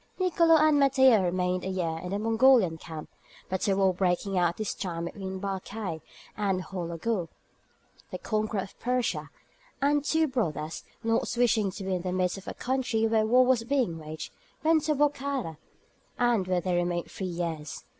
Nicolo and Matteo remained a year in the Mongolian camp, but a war breaking out at this time between Barkaï, and Houlagou, the conqueror of Persia, the two brothers, not wishing to be in the midst of a country where war was being waged, went to Bokhara, and there they remained three years.